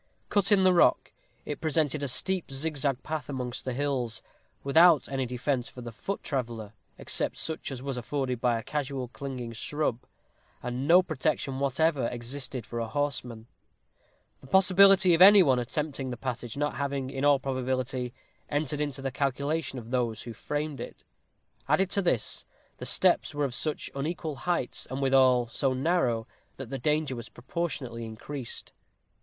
Cut in the rock, it presented a steep zigzag path amongst the cliffs, without any defence for the foot traveller, except such as was afforded by a casual clinging shrub, and no protection whatever existed for a horseman; the possibility of any one attempting the passage not having, in all probability, entered into the calculation of those who framed it. Added to this, the steps were of such unequal heights, and withal so narrow, that the danger was proportionately increased.